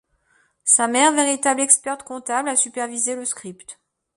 Sa mère, véritable experte-comptable, a supervisé le script.